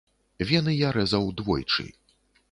Вены я рэзаў двойчы.